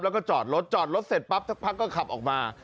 แล้วก็จอดรถจอดรถเสร็จปั๊บสักพักก็ขับออกมา